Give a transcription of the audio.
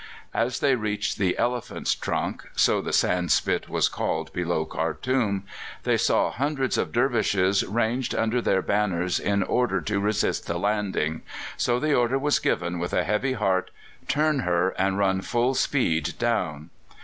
As they reached the "Elephant's Trunk" so the sand spit was called below Khartoum they saw hundreds of Dervishes ranged under their banners in order to resist a landing; so the order was given with a heavy heart: "Turn her, and run full speed down."